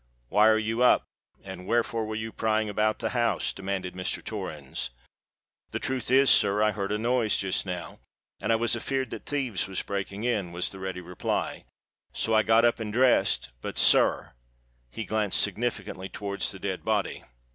"Why are you up? and wherefore were you prying about the house?" demanded Mr. Torrens. "The truth is, sir, I heard a noise, just now, and I was afeard that thieves was breaking in," was the ready reply: "so I got up and dressed; but, sir—" And he glanced significantly towards the dead body.